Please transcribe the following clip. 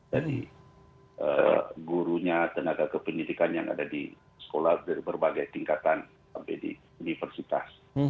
jadi gurunya tenaga kependidikan yang ada di sekolah dari berbagai tingkatan sampai di universitas